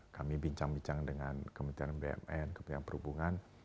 kami bincang bincang dengan kementerian bumn kementerian perhubungan